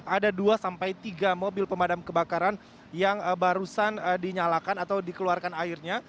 ada dua sampai tiga mobil pemadam kebakaran yang barusan dinyalakan atau dikeluarkan airnya